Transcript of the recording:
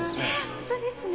本当ですね。